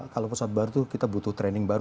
kalau pesawat baru itu kita butuh training baru